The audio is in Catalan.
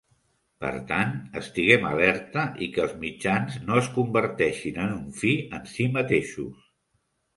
Per tant, estiguem alerta i que els mitjans no es converteixin en un fi en si mateixos.